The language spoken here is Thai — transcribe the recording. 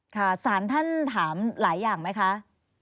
สารท่านถามหลายอย่างไหมคะ